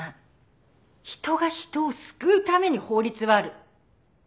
人が人を救うために法律はある。